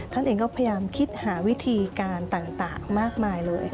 ท่านเองก็พยายามคิดหาวิธีการต่างมากมายเลย